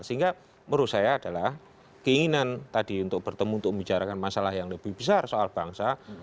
sehingga menurut saya adalah keinginan tadi untuk bertemu untuk membicarakan masalah yang lebih besar soal bangsa